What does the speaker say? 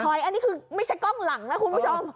อันนี้คือไม่ใช่กล้องหลังนะคุณผู้ชม